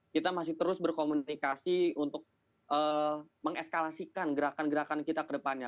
kita masih terus berkomunikasi untuk mengeskalasikan gerakan gerakan kita ke depannya